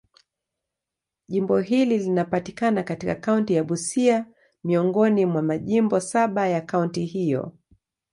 Jimbo hili linapatikana katika kaunti ya Busia, miongoni mwa majimbo saba ya kaunti hiyo.